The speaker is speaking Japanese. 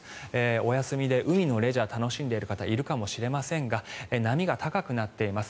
お休みで海のレジャー楽しんでいる方もいるかもしれませんが波が高くなっています。